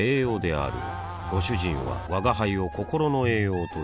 あぁご主人は吾輩を心の栄養という